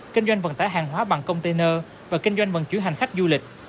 kinh doanh vận tải hàng hóa bằng container và kinh doanh vận chuyển hành khách du lịch